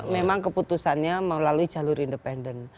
memang keputusannya melalui jalur independen